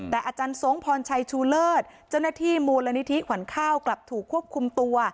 แต่อาจารย์ทรงพรชัยชูเลิศเจ้าหน้าที่มูลนิธิขวัญข้าวกลับถูกควบคุมตัว